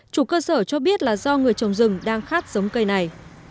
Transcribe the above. chủ cơ sở cho biết là do người trồng rừng đang khát giống cây này